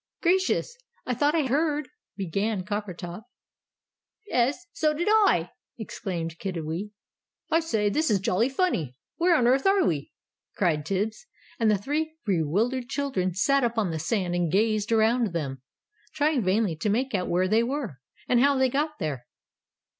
"Gracious! I thought I heard " began Coppertop. "'Es, so did I!" exclaimed Kiddiwee. "I say, this is jolly funny! Where on earth are we?" cried Tibbs. And the three bewildered children sat up on the sand and gazed around them, trying vainly to make out where they were, and how they got there.